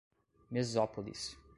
Mesópolis